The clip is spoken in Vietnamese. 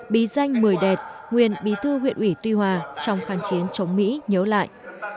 bí danh mười đệt nguyên bí thư huyện ủy tuy hòa trong kháng chiến chống mỹ nhớ lại